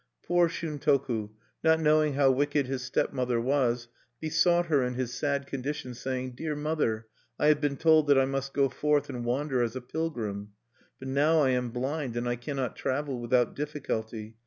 Poor Shuntoku, not knowing how wicked his stepmother was, besought her in his sad condition, saying: "Dear mother, I have been told that I must go forth and wander as a pilgrim. "But now I am blind, and I cannot travel without difficulty.